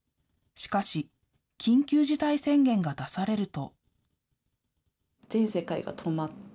しかし、緊急事態宣言が出されると。